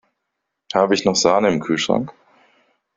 Habe ich noch Sahne im Kühlschrank?